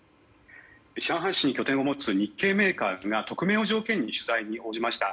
上海市に拠点を持つ日系メーカーが匿名を条件に取材に応じました。